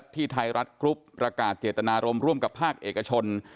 ไทยรัฐกรุ๊ปประกาศเจตนารมณ์ร่วมกับภาคเอกชน